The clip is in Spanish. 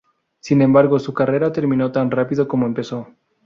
Sin embargo, su carrera terminó tan rápido como empezó.